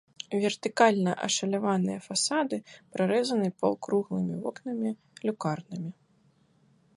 Вертыкальна ашаляваныя фасады прарэзаны паўкруглымі вокнамі-люкарнамі.